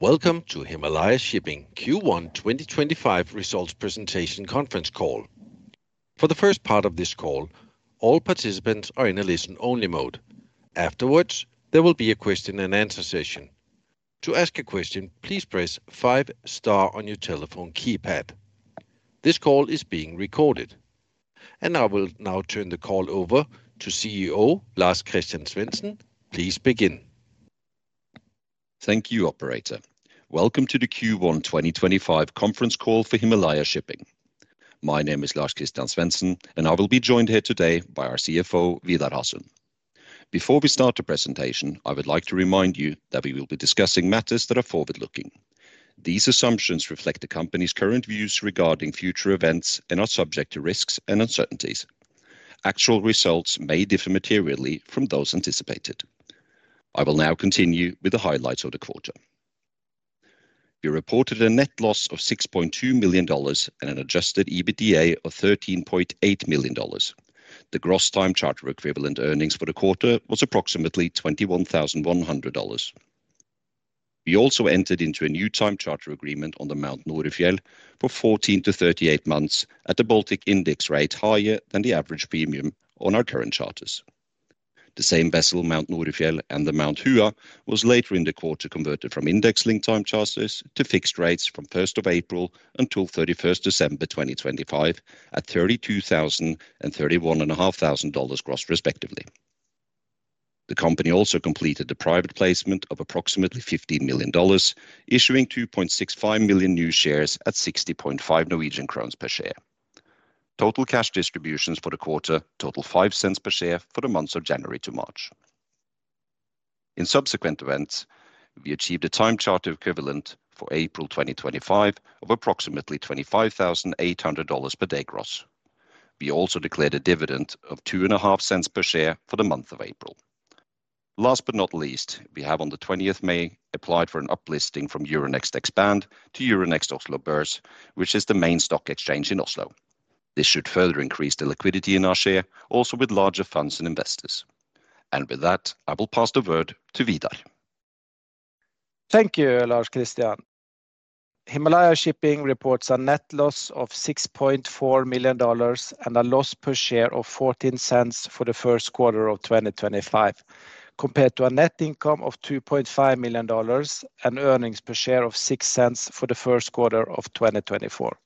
Welcome to Himalaya Shipping Q1 2025 Results Presentation Conference Call. For the first part of this call, all participants are in a listen-only mode. Afterwards, there will be a question-and-answer session. To ask a question, please press 5* on your telephone keypad. This call is being recorded, and I will now turn the call over to CEO Lars-Christian Svensen. Please begin. Thank you, Operator. Welcome to the Q1 2025 Conference Call for Himalaya Shipping. My name is Lars-Christian Svensen, and I will be joined here today by our CFO, Vidar Hasund. Before we start the presentation, I would like to remind you that we will be discussing matters that are forward-looking. These assumptions reflect the company's current views regarding future events and are subject to risks and uncertainties. Actual results may differ materially from those anticipated. I will now continue with the highlights of the quarter. We reported a net loss of $6.2 million and an adjusted EBITDA of $13.8 million. The gross time charter equivalent earnings for the quarter was approximately $21,100. We also entered into a new time charter agreement on the Mount Nourifjel for 14-38 months at a Baltic index rate higher than the average premium on our current charters. The same vessel, Mount Nourifjel and the Mount Hua, was later in the quarter converted from index link time charters to fixed rates from April 1 until December 31, 2025 at $32,000 and $31,500 gross, respectively. The company also completed a private placement of approximately $15 million, issuing 2.65 million new shares at 60.5 Norwegian crowns per share. Total cash distributions for the quarter totaled $0.05 per share for the months of January to March. In subsequent events, we achieved a time charter equivalent for April 2025 of approximately $25,800 per day gross. We also declared a dividend of $0.025 per share for the month of April. Last but not least, we have on the 20th of May applied for an uplisting from Euronext Expand to Euronext Oslo Børs, which is the main stock exchange in Oslo. This should further increase the liquidity in our share, also with larger funds and investors. With that, I will pass the word to Vidar. Thank you, Lars-Christian. Himalaya Shipping reports a net loss of $6.4 million and a loss per share of $0.14 for the first quarter of 2025, compared to a net income of $2.5 million and earnings per share of $0.06 for the first quarter of 2024.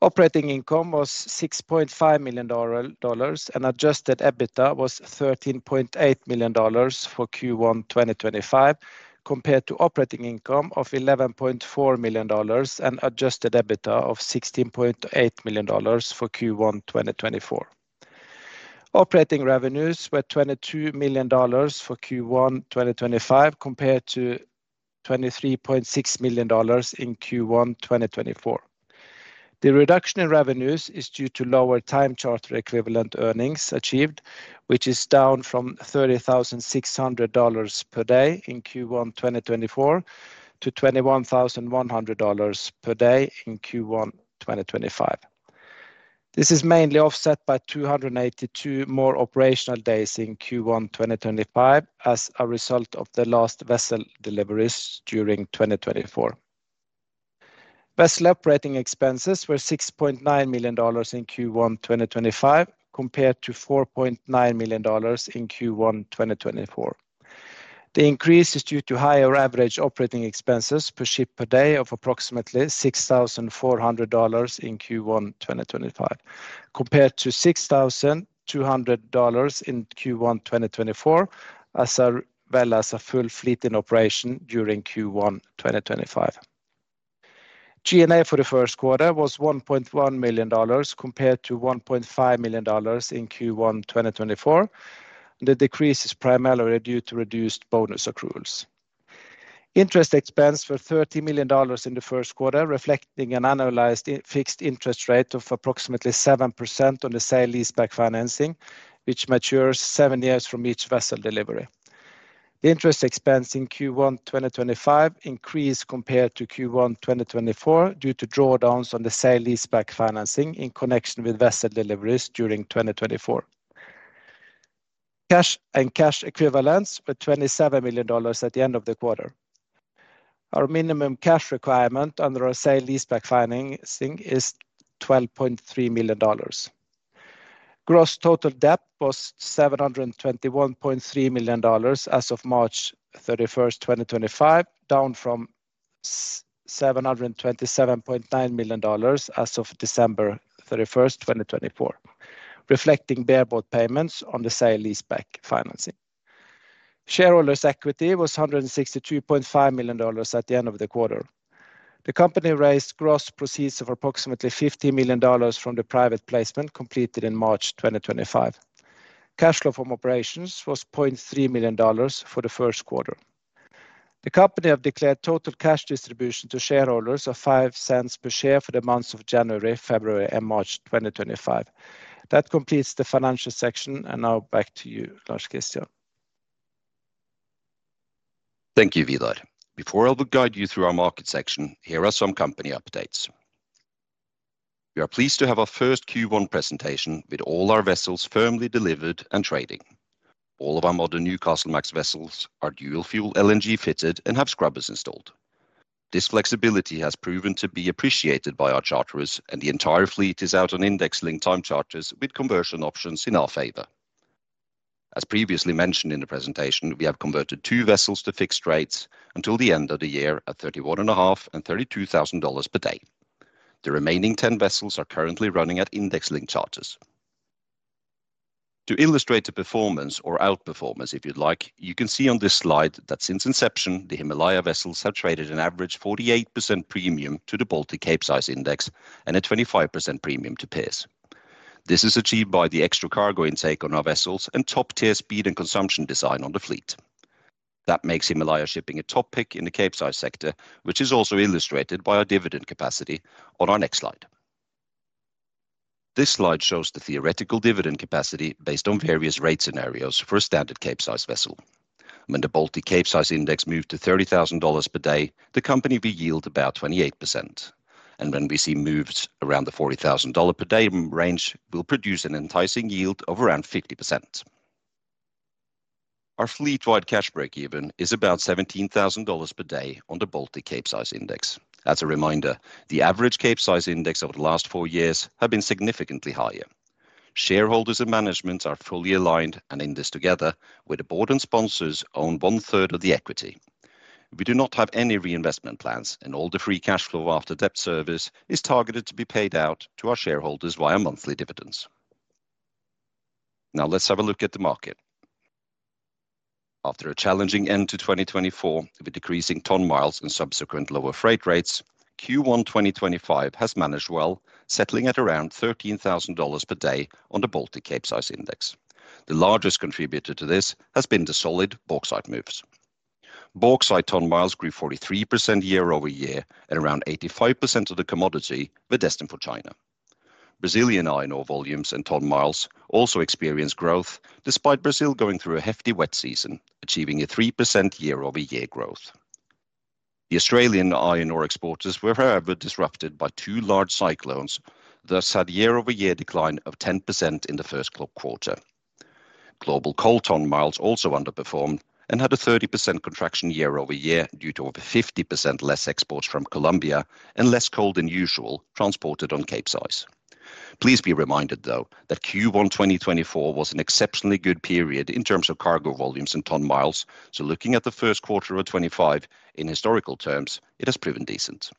Operating income was $6.5 million, and adjusted EBITDA was $13.8 million for Q1 2025, compared to operating income of $11.4 million and adjusted EBITDA of $16.8 million for Q1 2024. Operating revenues were $22 million for Q1 2025, compared to $23.6 million in Q1 2024. The reduction in revenues is due to lower time charter equivalent earnings achieved, which is down from $30,600 per day in Q1 2024 to $21,100 per day in Q1 2025. This is mainly offset by 282 more operational days in Q1 2025 as a result of the last vessel deliveries during 2024. Vessel operating expenses were $6.9 million in Q1 2025, compared to $4.9 million in Q1 2024. The increase is due to higher average operating expenses per ship per day of approximately $6,400 in Q1 2025, compared to $6,200 in Q1 2024, as well as a full fleet in operation during Q1 2025. G&A for the first quarter was $1.1 million, compared to $1.5 million in Q1 2024. The decrease is primarily due to reduced bonus accruals. Interest expense was $30 million in the first quarter, reflecting an annualized fixed interest rate of approximately 7% on the sale leaseback financing, which matures 7 years from each vessel delivery. The interest expense in Q1 2025 increased compared to Q1 2024 due to drawdowns on the sale leaseback financing in connection with vessel deliveries during 2024. Cash and cash equivalents were $27 million at the end of the quarter. Our minimum cash requirement under our sale leaseback financing is $12.3 million. Gross total debt was $721.3 million as of March 31, 2025, down from $727.9 million as of December 31, 2024, reflecting barebone payments on the sale leaseback financing. Shareholders' equity was $162.5 million at the end of the quarter. The company raised gross proceeds of approximately $15 million from the private placement completed in March 2025. Cash flow from operations was $0.3 million for the first quarter. The company has declared total cash distribution to shareholders of $0.05 per share for the months of January, February, and March 2025. That completes the financial section, and now back to you, Lars-Christian. Thank you, Vidar. Before I will guide you through our market section, here are some company updates. We are pleased to have our first Q1 presentation with all our vessels firmly delivered and trading. All of our modern Newcastlemax vessels are dual-fuel LNG-fitted and have scrubbers installed. This flexibility has proven to be appreciated by our charterers, and the entire fleet is out on index link time charters with conversion options in our favor. As previously mentioned in the presentation, we have converted two vessels to fixed rates until the end of the year at $31,500 and $32,000 per day. The remaining 10 vessels are currently running at index link charters. To illustrate the performance, or outperformance if you'd like, you can see on this slide that since inception, the Himalaya vessels have traded an average 48% premium to the Baltic Cape Size Index and a 25% premium to peers. This is achieved by the extra cargo intake on our vessels and top-tier speed and consumption design on the fleet. That makes Himalaya Shipping a top pick in the Cape Size sector, which is also illustrated by our dividend capacity on our next slide. This slide shows the theoretical dividend capacity based on various rate scenarios for a standard Cape Size vessel. When the Baltic Cape Size Index moved to $30,000 per day, the company will yield about 28%. When we see moves around the $40,000 per day range, we'll produce an enticing yield of around 50%. Our fleet-wide cash break-even is about $17,000 per day on the Baltic Cape Size Index. As a reminder, the average Cape Size Index over the last four years has been significantly higher. Shareholders and management are fully aligned and in this together, where the board and sponsors own one-third of the equity. We do not have any reinvestment plans, and all the free cash flow after debt service is targeted to be paid out to our shareholders via monthly dividends. Now let's have a look at the market. After a challenging end to 2024 with decreasing ton miles and subsequent lower freight rates, Q1 2025 has managed well, settling at around $13,000 per day on the Baltic Cape Size Index. The largest contributor to this has been the solid bauxite moves. Bauxite ton miles grew 43% year over year, and around 85% of the commodity were destined for China. Brazilian iron ore volumes and ton miles also experienced growth, despite Brazil going through a hefty wet season, achieving a 3% year-over-year growth. The Australian iron ore exporters were, however, disrupted by two large cyclones, thus had a year-over-year decline of 10% in the first quarter. Global coal ton miles also underperformed and had a 30% contraction year-over-year due to over 50% less exports from Colombia and less coal than usual transported on cape size. Please be reminded, though, that Q1 2024 was an exceptionally good period in terms of cargo volumes and ton miles, so looking at the first quarter of 2025 in historical terms, it has proven decent.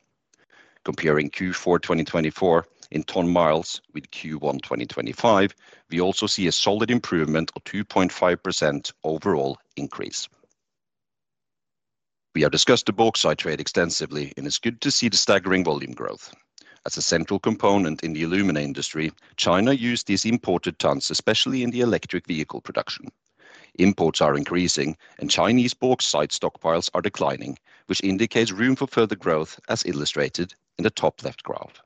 Comparing Q4 2024 in ton miles with Q1 2025, we also see a solid improvement of 2.5% overall increase. We have discussed the bauxite trade extensively, and it's good to see the staggering volume growth. As a central component in the aluminum industry, China used these imported tons, especially in the electric vehicle production. Imports are increasing, and Chinese bauxite stockpiles are declining, which indicates room for further growth, as illustrated in the top-left graph.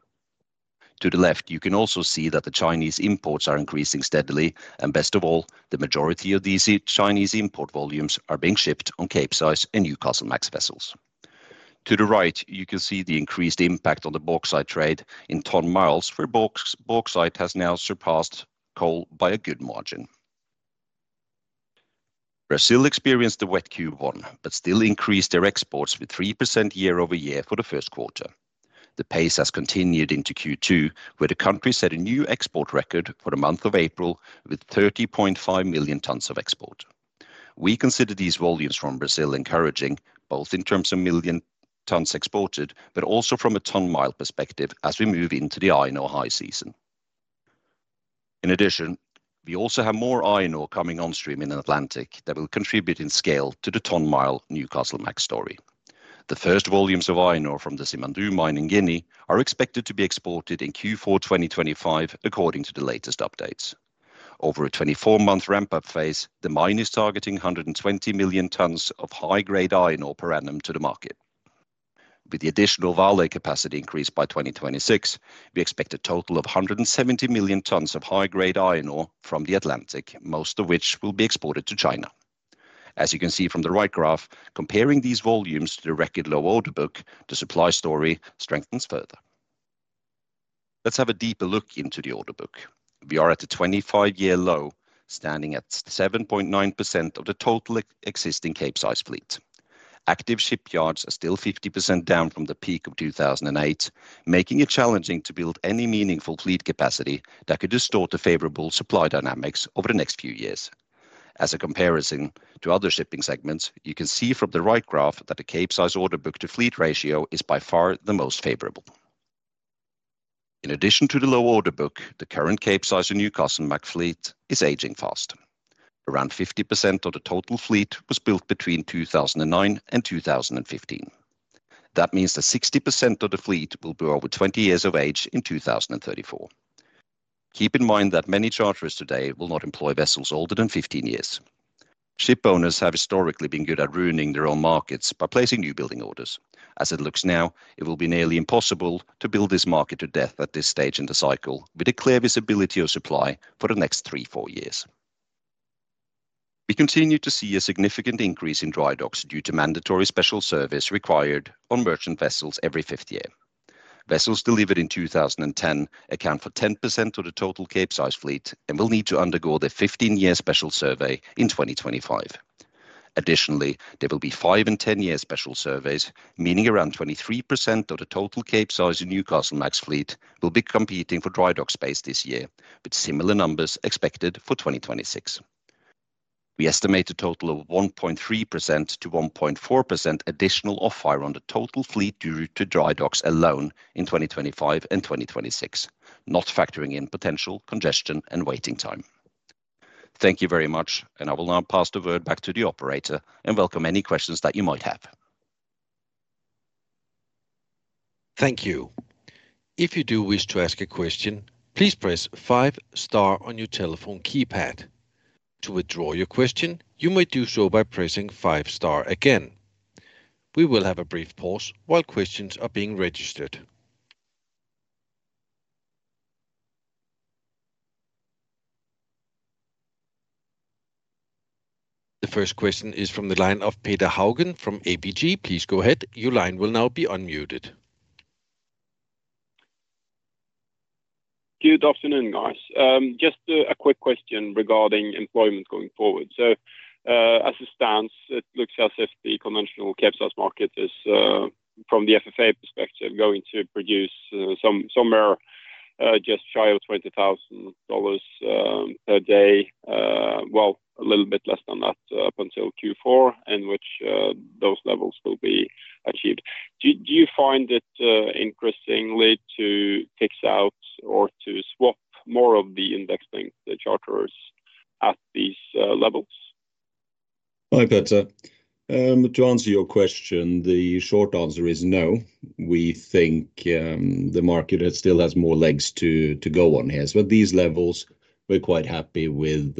To the left, you can also see that the Chinese imports are increasing steadily, and best of all, the majority of these Chinese import volumes are being shipped on cape size and Newcastlemax vessels. To the right, you can see the increased impact on the bauxite trade in ton miles, where bauxite has now surpassed coal by a good margin. Brazil experienced a wet Q1, but still increased their exports with 3% year-over-year for the first quarter. The pace has continued into Q2, where the country set a new export record for the month of April with 30.5 million tons of export. We consider these volumes from Brazil encouraging, both in terms of million tons exported, but also from a ton mile perspective as we move into the iron ore high season. In addition, we also have more iron ore coming on stream in the Atlantic that will contribute in scale to the ton mile Newcastlemax story. The first volumes of iron ore from the Simandou mine in Guinea are expected to be exported in Q4 2025, according to the latest updates. Over a 24-month ramp-up phase, the mine is targeting 120 million tons of high-grade iron ore per annum to the market. With the additional Vale capacity increased by 2026, we expect a total of 170 million tons of high-grade iron ore from the Atlantic, most of which will be exported to China. As you can see from the right graph, comparing these volumes to the record low order book, the supply story strengthens further. Let's have a deeper look into the order book. We are at a 25-year low, standing at 7.9% of the total existing Capesize fleet. Active shipyards are still 50% down from the peak of 2008, making it challenging to build any meaningful fleet capacity that could distort the favorable supply dynamics over the next few years. As a comparison to other shipping segments, you can see from the right graph that the Capesize order book to fleet ratio is by far the most favorable. In addition to the low order book, the current Capesize and Newcastlemax fleet is aging fast. Around 50% of the total fleet was built between 2009 and 2015. That means that 60% of the fleet will be over 20 years of age in 2034. Keep in mind that many charterers today will not employ vessels older than 15 years. Ship owners have historically been good at ruining their own markets by placing new building orders. As it looks now, it will be nearly impossible to build this market to death at this stage in the cycle with a clear visibility of supply for the next three or four years. We continue to see a significant increase in dry docks due to mandatory special survey required on merchant vessels every fifth year. Vessels delivered in 2010 account for 10% of the total cape size fleet and will need to undergo the 15-year special survey in 2025. Additionally, there will be five and 10-year special surveys, meaning around 23% of the total Capesize and Newcastlemax fleet will be competing for dry dock space this year, with similar numbers expected for 2026. We estimate a total of 1.3%-1.4% additional off-hire on the total fleet due to dry docks alone in 2025 and 2026, not factoring in potential congestion and waiting time. Thank you very much, and I will now pass the word back to the operator and welcome any questions that you might have. Thank you. If you do wish to ask a question, please press five-star on your telephone keypad. To withdraw your question, you may do so by pressing five-star again. We will have a brief pause while questions are being registered. The first question is from the line of Peter Haugen from ABG. Please go ahead. Your line will now be unmuted. Good afternoon, guys. Just a quick question regarding employment going forward. As it stands, it looks as if the conventional cape size market is, from the FFA perspective, going to produce somewhere just shy of $20,000 per day, a little bit less than that up until Q4, in which those levels will be achieved. Do you find it interesting to kick out or to swap more of the index link charterers at these levels? I better. To answer your question, the short answer is no. We think the market still has more legs to go on here. At these levels, we're quite happy with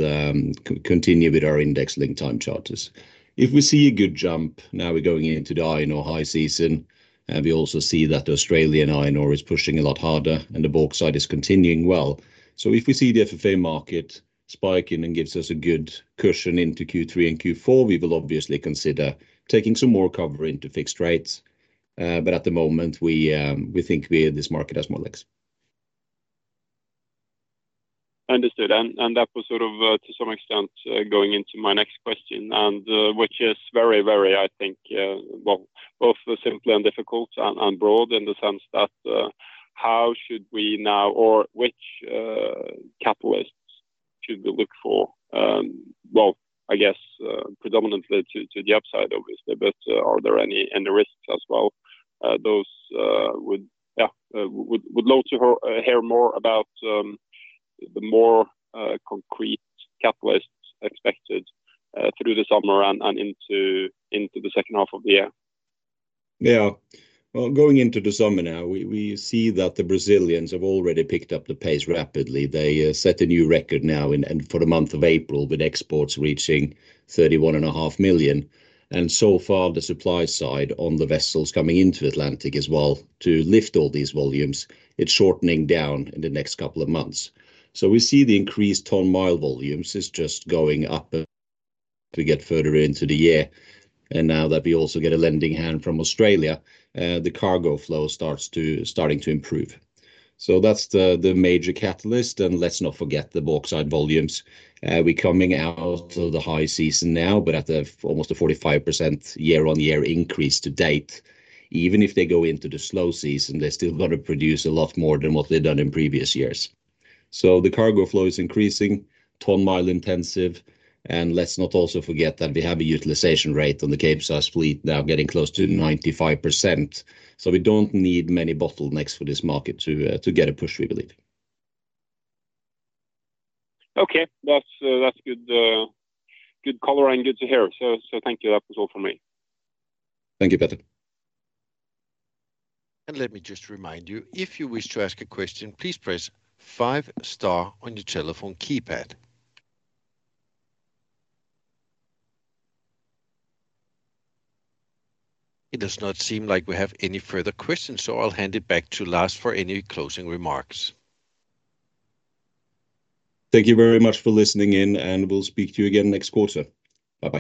continuing with our index link time charters. If we see a good jump, now we're going into the iron ore high season, and we also see that Australian iron ore is pushing a lot harder and the bauxite is continuing well. If we see the FFA market spiking and gives us a good cushion into Q3 and Q4, we will obviously consider taking some more cover into fixed rates. At the moment, we think this market has more legs. Understood. That was sort of, to some extent, going into my next question, which is very, very, I think, both simple and difficult and broad in the sense that how should we now, or which catalysts should we look for? I guess predominantly to the upside, obviously, but are there any risks as well? I would love to hear more about the more concrete catalysts expected through the summer and into the second half of the year. Yeah. Going into the summer now, we see that the Brazilians have already picked up the pace rapidly. They set a new record now for the month of April with exports reaching 31.5 million. So far, the supply side on the vessels coming into the Atlantic as well to lift all these volumes, it's shortening down in the next couple of months. We see the increased ton mile volumes is just going up as we get further into the year. Now that we also get a lending hand from Australia, the cargo flow starts to start improve. That's the major catalyst. Let's not forget the bauxite volumes. We're coming out of the high season now, but at almost a 45% year-on-year increase to date. Even if they go into the slow season, they're still going to produce a lot more than what they've done in previous years. The cargo flow is increasing, ton mile intensive. Let's not also forget that we have a utilization rate on the cape size fleet now getting close to 95%. We don't need many bottlenecks for this market to get a push, we believe. Okay. That's good color and good to hear. Thank you. That was all for me. Thank you, Peter. Let me just remind you, if you wish to ask a question, please press five-star on your telephone keypad. It does not seem like we have any further questions, so I'll hand it back to Lars for any closing remarks. Thank you very much for listening in, and we'll speak to you again next quarter. Bye.